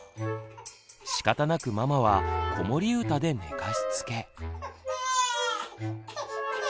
しかたなくママは子守歌で寝かしつけ。